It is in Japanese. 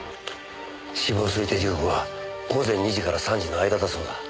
死亡推定時刻は午前２時から３時の間だそうだ。